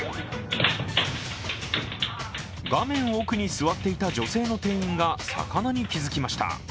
画面奥に座っていた女性の店員が魚に気付きました。